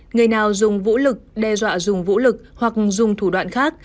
người nào dùng vũ lực đe dọa dùng vũ lực hoặc dùng thủ đoạn khác